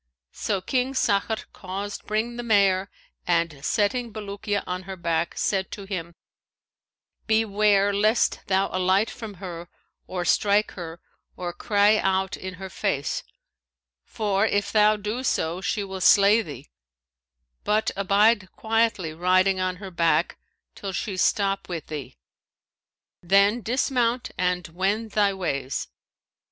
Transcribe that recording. So King Sakhr caused bring the mare and, setting Bulukiya on her back, said to him, 'Beware lest thou alight from her or strike her or cry out in her face; for if thou do so she will slay thee; but abide quietly riding on her back till she stop with thee; then dismount and wend thy ways.'